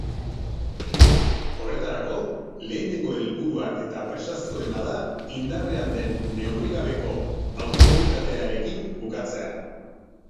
Horretarako, lehenengo helburua eta presazkoena da, indarrean den neurrigabeko austeritatearekin bukatzea.